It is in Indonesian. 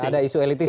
tidak ada isu elitis